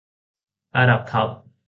ระดับท็อป